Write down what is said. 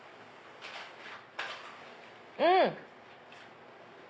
うん！